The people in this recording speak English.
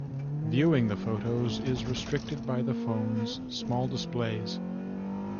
Viewing the photos is restricted by the phones' small displays.